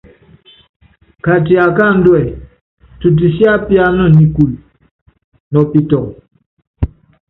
Kati akáandúɛ, tutisiápíana nikúlu nɔ pitɔŋ.